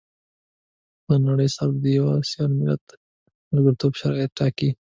له نړۍ سره د يوه سيال ملت د ملګرتوب شرايط ټاکي.